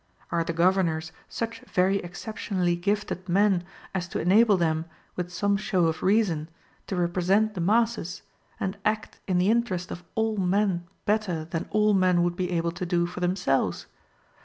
Are the governors such very exceptionally gifted men as to enable them, with some show of reason, to represent the masses, and act in the interest of all men better than all men would be able to do for themselves?